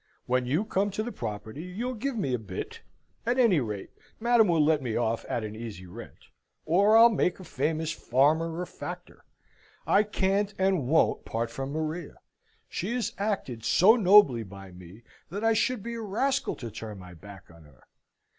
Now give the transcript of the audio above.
When you come to the property, you'll give me a bit at any rate, Madam will let me off at an easy rent or I'll make a famous farmer or factor. I can't and won't part from Maria. She has acted so nobly by me, that I should be a rascal to turn my back on her.